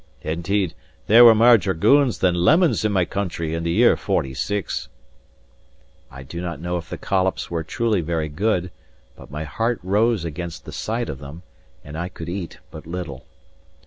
* Indeed, there were mair dragoons than lemons in my country in the year forty six." * Condiment. I do not know if the collops were truly very good, but my heart rose against the sight of them, and I could eat but little.